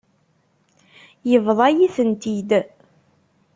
Yebḍa-yi-tent-id.